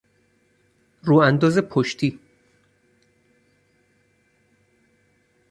رو انداز پشتی